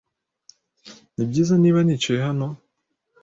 Nibyiza niba nicaye hano?